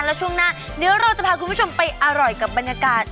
แล้วช่วงหน้าเดี๋ยวเราจะพาคุณผู้ชมไปอร่อยกับบรรยากาศ